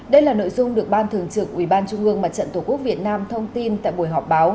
đây là nội dung được ban thường trực ubnd tqvn thông tin tại buổi họp báo